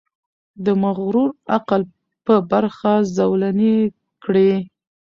د مغرور عقل په برخه زولنې کړي.